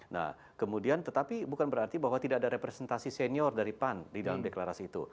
nah kemudian tetapi bukan berarti bahwa tidak ada representasi senior dari pan di dalam deklarasi itu